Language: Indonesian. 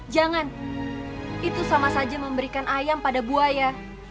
jangan itu sama saja memberikan ayam pada buaya